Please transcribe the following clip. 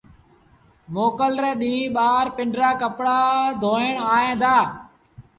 موڪل ري ڏيٚݩهݩ ٻآر پنڊرآ ڪپڙآ ڌورائيٚݩ دآ۔